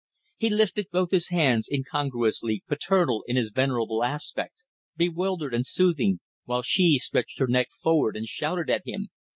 He lifted both his hands, incongruously paternal in his venerable aspect, bewildered and soothing, while she stretched her neck forward and shouted at him.